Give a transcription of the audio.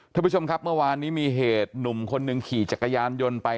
ท่านผู้ชมครับเมื่อวานนี้มีเหตุหนุ่มคนหนึ่งขี่จักรยานยนต์ไป